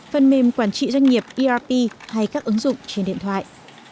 phần mềm quản trị doanh nghiệp erp hay các ứng dụng trên điện thoại